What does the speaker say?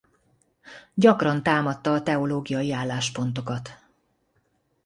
Gyakran támadta a teológiai álláspontokat.